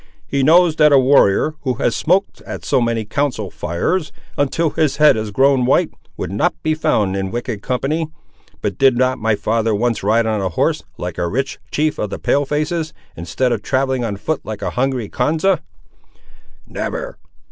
"He knows that a warrior, who has smoked at so many council fires, until his head has grown white, would not be found in wicked company. But did not my father once ride on a horse, like a rich chief of the Pale faces, instead of travelling on foot like a hungry Konza?" "Never!